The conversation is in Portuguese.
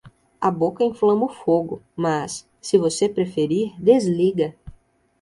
A boca inflama o fogo, mas, se você preferir, desliga.